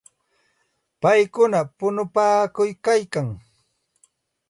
Paykuna punupaakuykalkan.